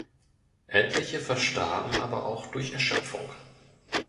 Etliche verstarben aber auch durch Erschöpfung.